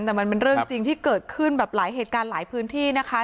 แต่มันเป็นเรื่องจริงที่เกิดขึ้นแบบหลายเหตุการณ์หลายพื้นที่นะคะ